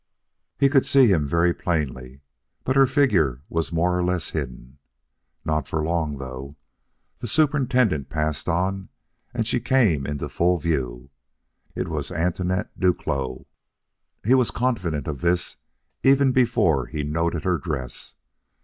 He could see him very plainly, but her figure was more or less hidden. Not for long though. The superintendent passed on and she came into full view. It was Antoinette Duclos. He was confident of this even before he noted her dress.